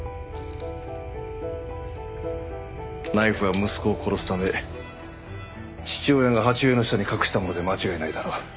ナイフは息子を殺すため父親が鉢植えの下に隠したもので間違いないだろう。